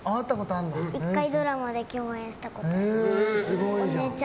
１回ドラマで共演したことある。